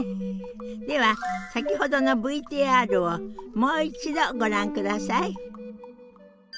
では先ほどのＶＴＲをもう一度ご覧ください。